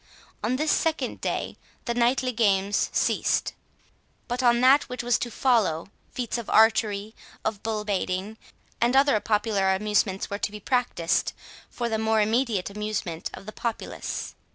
On this second day the knightly games ceased. But on that which was to follow, feats of archery, of bull baiting, and other popular amusements, were to be practised, for the more immediate amusement of the populace.